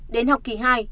đến học kỳ hai